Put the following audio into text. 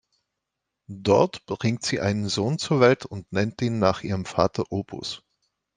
Dort bringt sie einen Sohn zur Welt und nennt ihn nach ihrem Vater Opus.